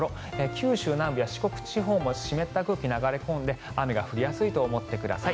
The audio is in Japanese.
九州南部や四国地方も湿った空気が流れ込んで雨が降りやすいと思ってください。